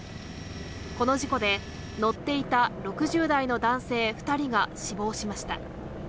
この事故で、乗っていた６０代の男性２人が死亡しました。